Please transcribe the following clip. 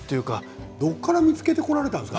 どこから見つけてこられたんですか？